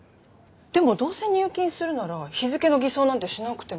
でもどうせ入金するなら日付の偽装なんてしなくても。